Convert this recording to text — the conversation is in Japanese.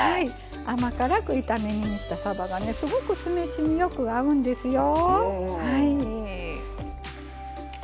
甘辛く炒めにした、さばが酢飯によく合うんですよ。